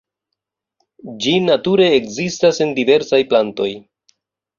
Ĝi nature ekzistas en diversaj plantoj.